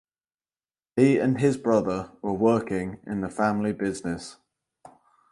He and his brother were working in the family business.